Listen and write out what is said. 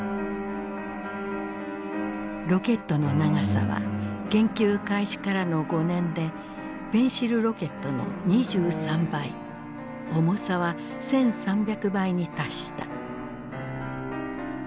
ロケットの長さは研究開始からの５年でペンシルロケットの２３倍重さは１，３００倍に達した。